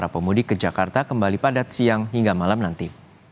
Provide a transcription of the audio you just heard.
para pemudik ke jakarta kembali padat siang hingga malam nanti